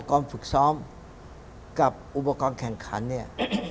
ฝึกซ้อมกับอุปกรณ์แข่งขันเนี่ย